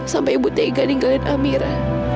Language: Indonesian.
sampai ibu tega ninggalin amira